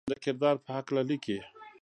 د کردار پۀ حقله ليکي: